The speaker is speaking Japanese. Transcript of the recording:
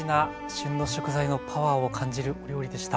旬の食材のパワーを感じるお料理でした。